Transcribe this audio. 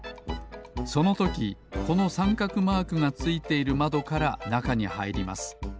そのときこのさんかくマークがついているまどからなかにはいります。